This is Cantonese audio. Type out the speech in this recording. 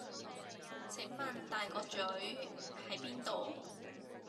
請問大角嘴…喺邊度？